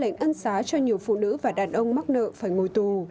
lệnh ân xá cho nhiều phụ nữ và đàn ông mắc nợ phải ngồi tù